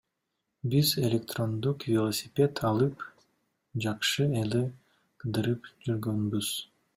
Биз электрондук велосипед алып жакшы эле кыдырып жүргөнбүз.